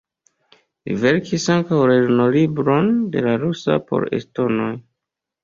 Li verkis ankaŭ lernolibron de la rusa por estonoj.